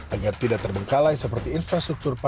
agar tidak terbengkalai seperti infrastruktur perusahaan